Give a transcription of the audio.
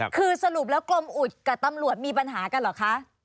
คือสรุปแล้วกรมอุดกับตำรวจมีปัญหากันเหรอคะ